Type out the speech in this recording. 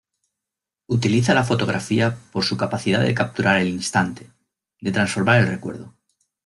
Utiliza la fotografía por su capacidad de capturar el instante, de transformar el recuerdo.